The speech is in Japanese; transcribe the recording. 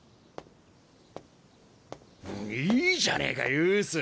いいじゃねえかユース！